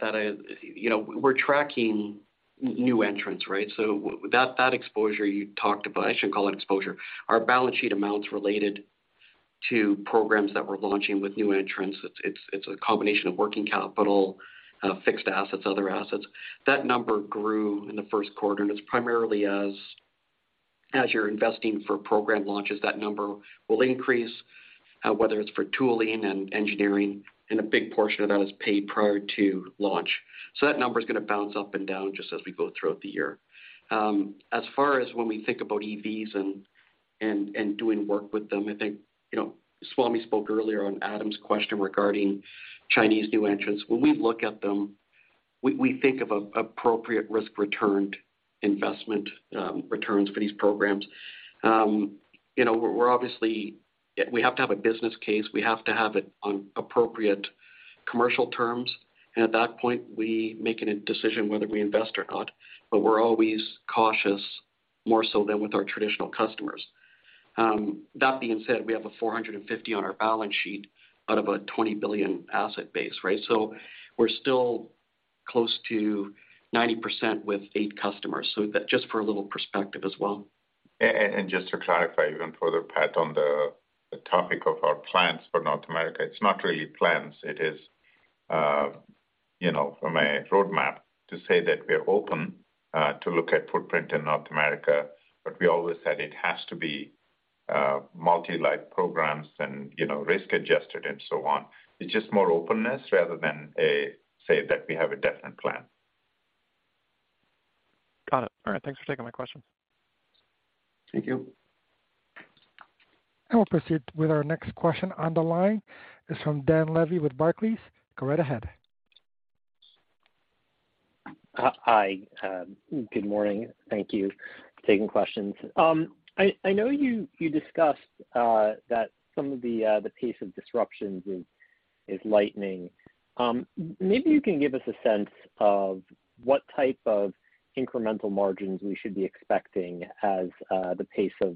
you know, we're tracking new entrants, right? With that exposure you talked about, I shouldn't call it exposure, our balance sheet amounts related to programs that we're launching with new entrants. It's a combination of working capital, fixed assets, other assets. That number grew in the first quarter, and it's primarily as you're investing for program launches, that number will increase, whether it's for tooling and engineering, and a big portion of that is paid prior to launch. That number's gonna bounce up and down just as we go throughout the year. As far as when we think about EVs and doing work with them, I think, you know, Swamy spoke earlier on Adam's question regarding Chinese new entrants. When we look at them, we think of a, appropriate risk returned investment returns for these programs. You know, we have to have a business case. We have to have it on appropriate commercial terms. At that point, we make an decision whether we invest or not, but we're always cautious more so than with our traditional customers. That being said, we have a 450 on our balance sheet out of a $20 billion asset base, right? We're still close to 90% with eight customers, so that just for a little perspective as well. Just to clarify even further, Pat, on the topic of our plans for North America, it's not really plans. It is, you know, from a roadmap to say that we are open to look at footprint in North America, but we always said it has to be multi-life programs and, you know, risk-adjusted and so on. It's just more openness rather than a say that we have a definite plan. Got it. All right, thanks for taking my question. Thank you. We'll proceed with our next question on the line. It's from Dan Levy with Barclays. Go right ahead. Hi. Good morning. Thank you for taking questions. I know you discussed that some of the pace of disruptions is lightening. Maybe you can give us a sense of what type of incremental margins we should be expecting as the pace of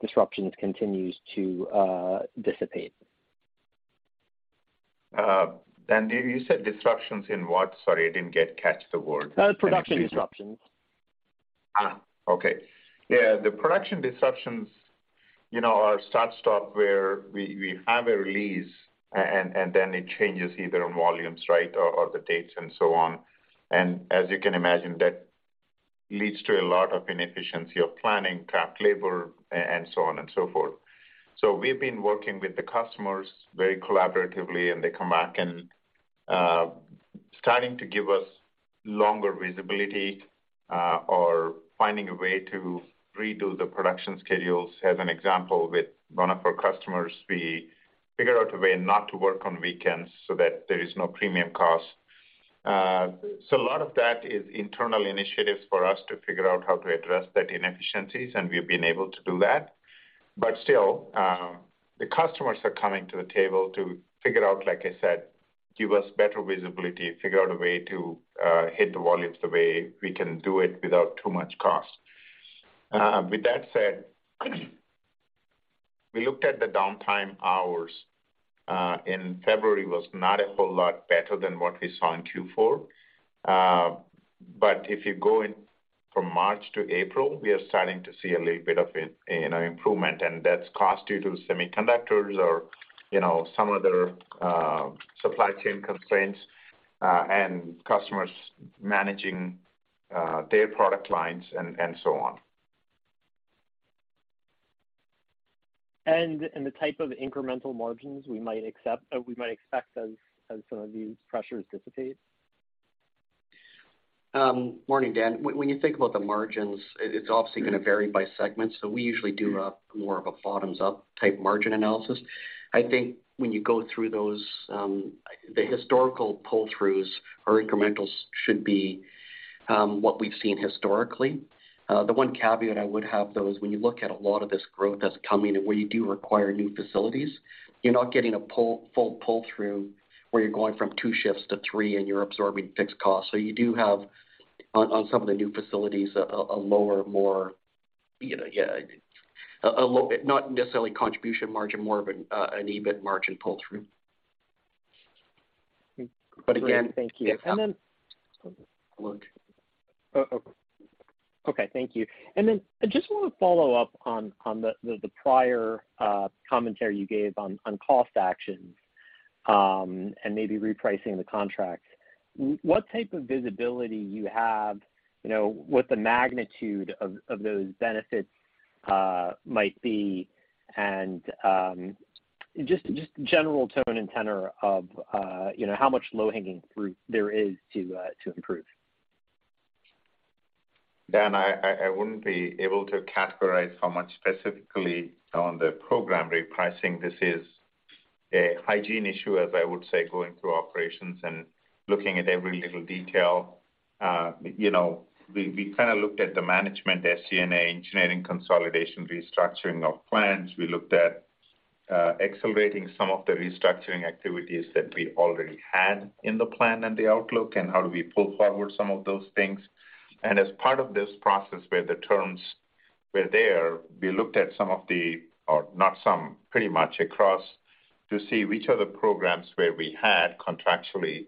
disruptions continues to dissipate? Dan, you said disruptions in what? Sorry, I didn't catch the word. Production disruptions. Okay. Yeah, the production disruptions, you know, are start-stop, where we have a release and then it changes either on volumes, right, or the dates and so on. As you can imagine, that leads to a lot of inefficiency of planning, trapped labor, and so on and so forth. We've been working with the customers very collaboratively, and they come back and starting to give us longer visibility or finding a way to redo the production schedules. As an example, with one of our customers, we figured out a way not to work on weekends so that there is no premium cost. A lot of that is internal initiatives for us to figure out how to address that inefficiencies, and we've been able to do that. Still, the customers are coming to the table to figure out, like I said, give us better visibility, figure out a way to hit the volumes the way we can do it without too much cost. With that said, we looked at the downtime hours in February was not a whole lot better than what we saw in Q4. If you go in from March to April, we are starting to see a little bit of an improvement, and that's cost due to semiconductors or, you know, some other supply chain constraints, and customers managing their product lines and so on. The type of incremental margins we might expect as some of these pressures dissipate? Morning, Dan. When you think about the margins, it's obviously gonna vary by segment, we usually do a more of a bottoms-up type margin analysis. I think when you go through those, the historical pull-throughs or incrementals should be what we've seen historically. The one caveat I would have, though, is when you look at a lot of this growth that's coming and where you do require new facilities, you're not getting a full pull-through, where you're going from two shifts to three and you're absorbing fixed costs. You do have on some of the new facilities a lower, more, you know, Not necessarily contribution margin, more of an EBIT margin pull-through. Again. Thank you. Hold. Okay, thank you. I just wanna follow up on the prior commentary you gave on cost actions and maybe repricing the contracts. What type of visibility you have, you know, what the magnitude of those benefits might be and just general tone and tenor of, you know, how much low-hanging fruit there is to improve? Dan, I wouldn't be able to categorize how much specifically on the program repricing. This is a hygiene issue, as I would say, going through operations and looking at every little detail. You know, we kind of looked at the management SG&A engineering consolidation restructuring of plans. We looked at, accelerating some of the restructuring activities that we already had in the plan and the outlook and how do we pull forward some of those things. As part of this process where the terms were there, we looked at some of the Or not some, pretty much across to see which are the programs where we had contractually,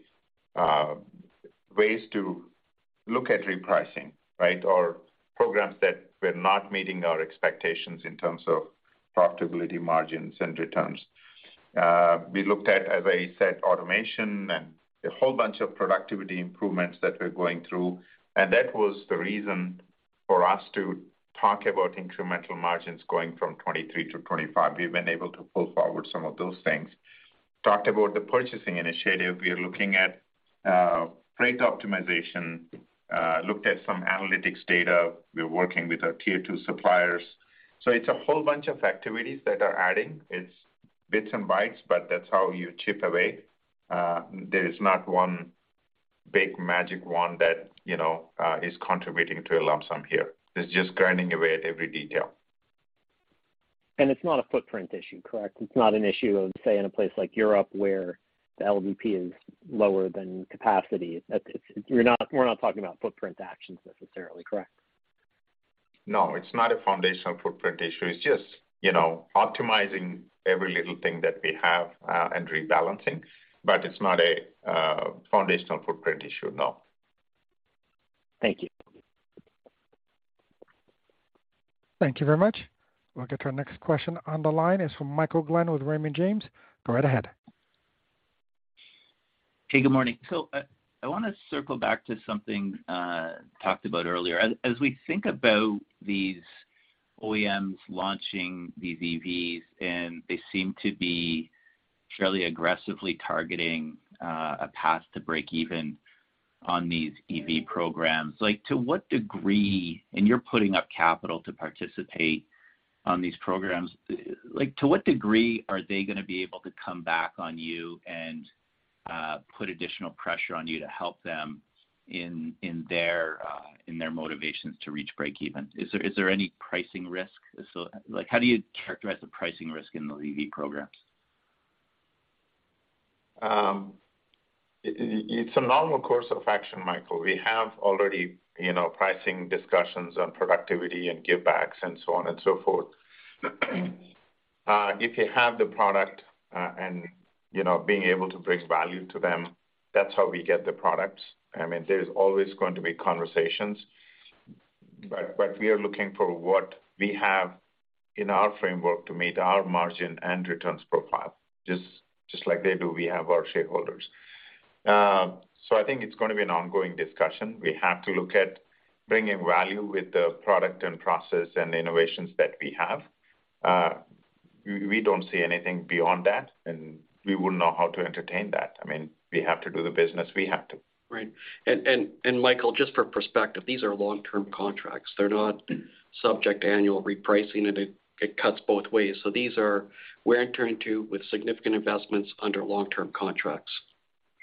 ways to look at repricing, right? Or programs that were not meeting our expectations in terms of profitability margins and returns. We looked at, as I said, automation and a whole bunch of productivity improvements that we're going through, that was the reason for us to talk about incremental margins going from 23%-25%. We've been able to pull forward some of those things. Talked about the purchasing initiative. We are looking at freight optimization, looked at some analytics data. We're working with our tier two suppliers. It's a whole bunch of activities that are adding. It's bits and bytes, but that's how you chip away. There is not one big magic wand that, you know, is contributing to a lump sum here. It's just grinding away at every detail. It's not a footprint issue, correct? It's not an issue of, say, in a place like Europe, where the LVP is lower than capacity. It's. We're not talking about footprint actions necessarily, correct? No, it's not a foundational footprint issue. It's just, you know, optimizing every little thing that we have, and rebalancing. It's not a foundational footprint issue, no. Thank you. Thank you very much. We'll get to our next question on the line. It's from Michael Glen with Raymond James. Go right ahead. Hey, good morning. I wanna circle back to something talked about earlier. As we think about these OEMs launching these EVs, and they seem to be fairly aggressively targeting a path to breakeven on these EV programs, like, to what degree and you're putting up capital to participate on these programs. Like, to what degree are they gonna be able to come back on you and put additional pressure on you to help them in their motivations to reach breakeven? Is there any pricing risk? Like, how do you characterize the pricing risk in the EV programs? It's a normal course of action, Michael. We have already, you know, pricing discussions on productivity and give backs and so on and so forth. If you have the product, and, you know, being able to bring value to them, that's how we get the products. I mean, there is always going to be conversations. We are looking for what we have in our framework to meet our margin and returns profile. Just like they do, we have our shareholders. So I think it's gonna be an ongoing discussion. We have to look at bringing value with the product and process and innovations that we have. We don't see anything beyond that, and we wouldn't know how to entertain that. I mean, we have to do the business we have to. Right. Michael, just for perspective, these are long-term contracts. They're not subject to annual repricing. It cuts both ways. We're entering to with significant investments under long-term contracts.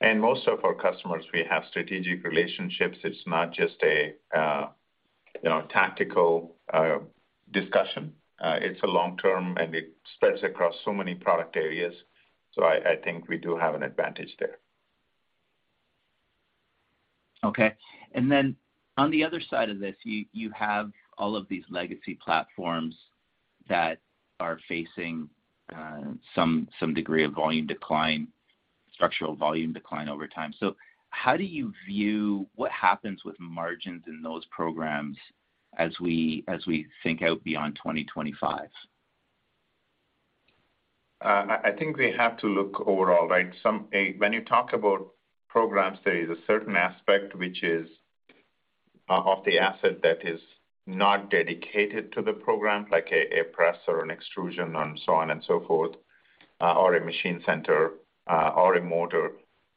Most of our customers, we have strategic relationships. It's not just a, you know, tactical, discussion. It's a long-term, and it spreads across so many product areas, so I think we do have an advantage there. Okay. Then on the other side of this, you have all of these legacy platforms that are facing some degree of volume decline, structural volume decline over time. How do you view what happens with margins in those programs as we think out beyond 2025? I think we have to look overall, right? When you talk about programs, there is a certain aspect which is of the asset that is not dedicated to the program, like a press or an extrusion and so on and so forth, or a machine center, or a motor.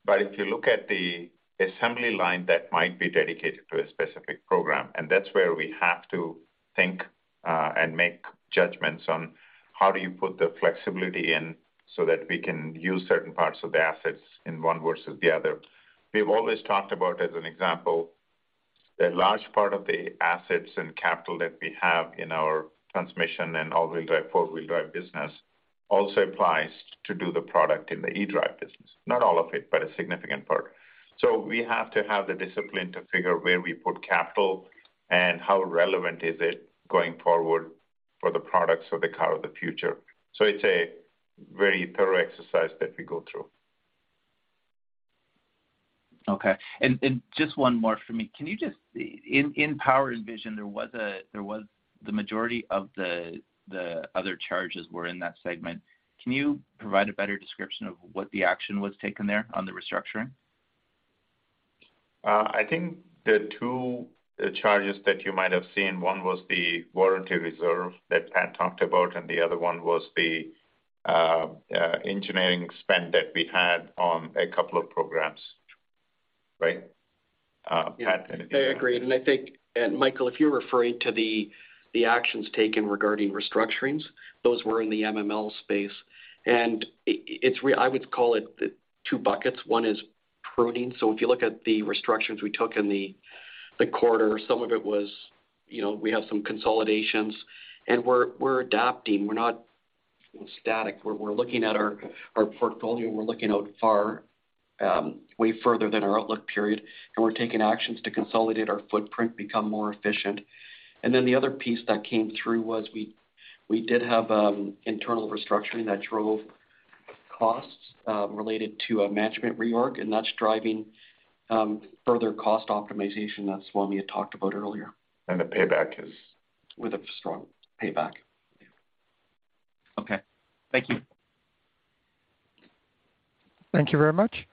If you look at the assembly line that might be dedicated to a specific program, and that's where we have to think and make judgments on how do you put the flexibility in so that we can use certain parts of the assets in one versus the other. We've always talked about, as an example, a large part of the assets and capital that we have in our transmission and all-wheel drive, four-wheel drive business also applies to do the product in the eDrive business. Not all of it, but a significant part. We have to have the discipline to figure where we put capital and how relevant is it going forward for the products or the car of the future. It's a very thorough exercise that we go through. Okay. Just one more for me. Can you just... In Power & Vision, there was the majority of the other charges were in that segment. Can you provide a better description of what the action was taken there on the restructuring? I think the two charges that you might have seen, one was the warranty reserve that Pat talked about, and the other one was the engineering spend that we had on a couple of programs. Right? Pat, anything to add? Yeah. I agree. I think, Michael, if you're referring to the actions taken regarding restructurings, those were in the MML space. I would call it two buckets. One is pruning. If you look at the restructurings we took in the quarter, some of it was, you know, we have some consolidations. We're adapting. We're not static. We're looking at our portfolio. We're looking out far, way further than our outlook period, and we're taking actions to consolidate our footprint, become more efficient. The other piece that came through was we did have internal restructuring that drove costs related to a management reorg, and that's driving further cost optimization. That's the one we had talked about earlier. the payback With a strong payback. Okay. Thank you. Thank you very much.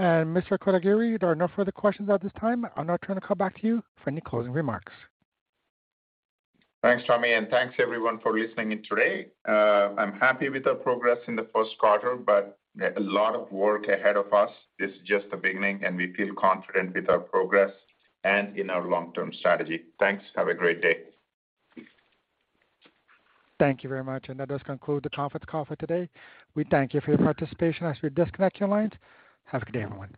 Mr. Kotagiri, there are no further questions at this time. I'll now turn the call back to you for any closing remarks. Thanks, Tom. Thanks everyone for listening in today. I'm happy with our progress in the first quarter. A lot of work ahead of us. This is just the beginning. We feel confident with our progress and in our long-term strategy. Thanks. Have a great day. Thank you very much. That does conclude the conference call for today. We thank you for your participation. As we disconnect your lines, have a good day, everyone.